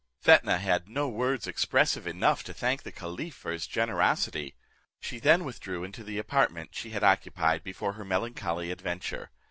Fetnah had no words expressive enough to thank the caliph for his generosity: she then withdrew into the apartment she had occupied before her melancholy adventure.